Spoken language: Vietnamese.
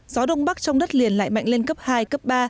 gió đông bắc trong đất liền lại mạnh lên cấp hai cấp ba